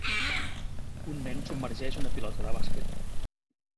Un nen submergeix una pilota de bàsquet.